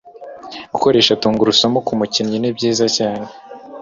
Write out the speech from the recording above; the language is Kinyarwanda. Gukoresha tungurusumu ku mukinnyi nibyiza cyane